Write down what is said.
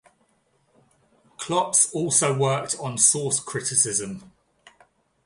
Klotz also worked on source criticism.